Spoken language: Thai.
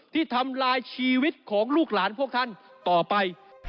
ที่ทำลายชีวิตของลูกหลานพวกท่านต่อไป